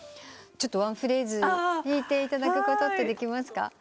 ちょっとワンフレーズ弾いていただくことできますか？